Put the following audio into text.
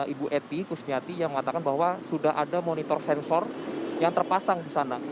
ibu eti kusmiati yang mengatakan bahwa sudah ada monitor sensor yang terpasang di sana